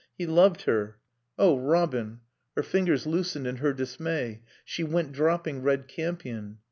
He loved her. "Oh, Robin " Her fingers loosened in her dismay; she went dropping red campion.